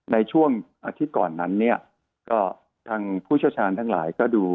ในช่วงอาทิตย์ก่อนนั้นทางผู้เชื้อชาญทั้งหลายก็ดู